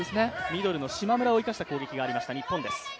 ミドルの島村を生かした攻撃がありました、日本です。